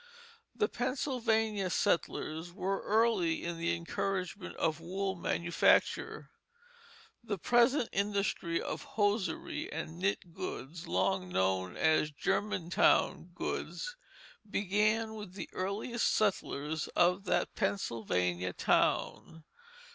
The Pennsylvania settlers were early in the encouragement of wool manufacture. The present industry of hosiery and knit goods long known as Germantown goods began with the earliest settlers of that Pennsylvania town.